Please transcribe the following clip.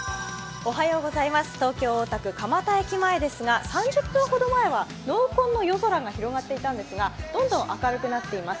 おはようございます、東京・大田区蒲田駅前ですが、３０分ほど前は濃紺の夜空が広がっていたんですがどんどん明るくなっています。